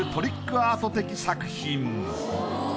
アート的作品。